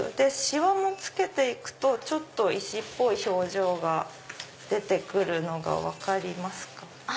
シワもつけて行くと石っぽい表情が出て来るのが分かりますか。